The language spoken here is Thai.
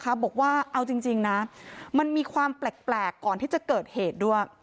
บอกว่าเอาจริงนะมันมีความแปลกก่อนที่จะเกิดเหตุด้วย